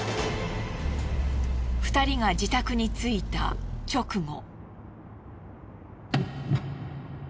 ２人が自宅についた直後。